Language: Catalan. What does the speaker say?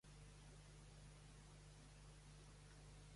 Va tindre també una editorial, crida Revolució.